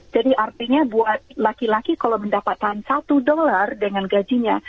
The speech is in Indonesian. jadi artinya buat laki laki kalau mendapatkan satu dolar dengan gajinya